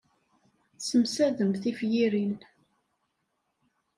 Tessemsadem tiferyin.